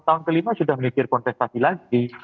tahun kelima sudah memikir kontestasi lagi